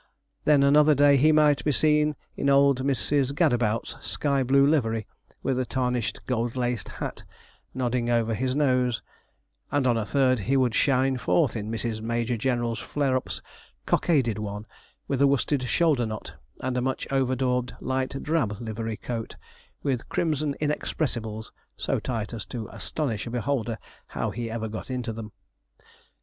Then another day he might be seen in old Mrs. Gadabout's sky blue livery, with a tarnished, gold laced hat, nodding over his nose; and on a third he would shine forth in Mrs. Major General Flareup's cockaded one, with a worsted shoulder knot, and a much over daubed light drab livery coat, with crimson inexpressibles, so tight as to astonish a beholder how he ever got into them.